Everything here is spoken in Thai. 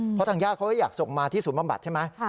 เพราะทางญาติเขาก็อยากส่งมาที่ศูนย์บำบัดใช่ไหม